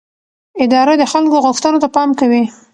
اداره د خلکو غوښتنو ته پام کوي.